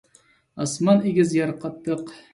ئاسمان ئېگىز، يەر قاتتىق.